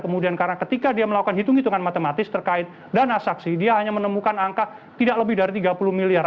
kemudian karena ketika dia melakukan hitung hitungan matematis terkait dana saksi dia hanya menemukan angka tidak lebih dari tiga puluh miliar